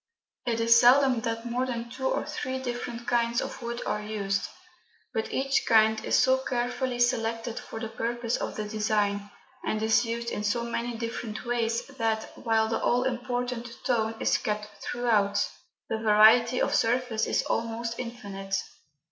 It is seldom that more than two or three different kinds of wood are used, but each kind is so carefully selected for the purpose of the design, and is used in so many different ways, that, while the all important "tone" is kept throughout, the variety of surface is almost infinite.